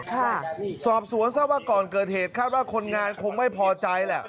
ค่ะสอบสวนทราบว่าก่อนเกิดเหตุคาดว่าคนงานคงไม่พอใจแหละ